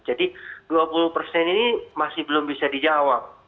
jadi dua puluh persen ini masih belum bisa dijawab